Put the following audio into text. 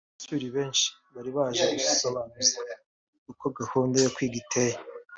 abanyeshuri benshi bari baje gusobanuza uko gahunda yo kwiga iteye